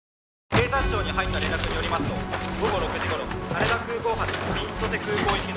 「警察庁に入った連絡によりますと午後６時頃羽田空港発新千歳空港行きの」